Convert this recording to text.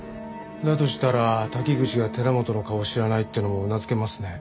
だとしたら滝口が寺本の顔を知らないっていうのもうなずけますね。